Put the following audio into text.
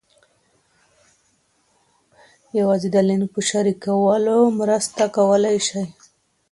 یوازې د لینک په شریکولو مرسته کولای سئ.